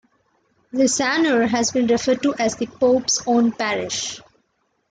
Liscannor has been referred to as "the Pope's Own Parish".